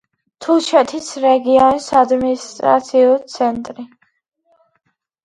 თუშეთის რეგიონის ადმინისტრაციული ცენტრი.